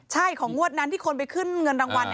ใช่ของงวดนั้นที่คนไปขึ้นเงินรางวัล